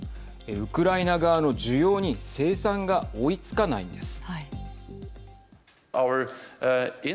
ウクライナ側の需要に生産が追いつかないんです。